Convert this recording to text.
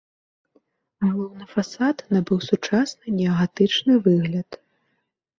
Галоўны фасад набыў сучасны неагатычны выгляд.